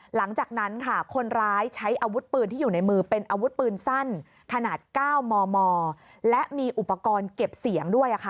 หลังจากนั้นค่ะคนร้ายใช้อาวุธปืนที่อยู่ในมือเป็นอาวุธปืนสั้นขนาด๙มมและมีอุปกรณ์เก็บเสียงด้วย